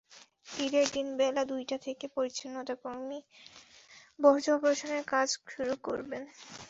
ঈদের দিন বেলা দুইটা থেকেই পরিচ্ছন্নতাকর্মীরা বর্জ্য অপসারণের কাজ শুরু করবেন।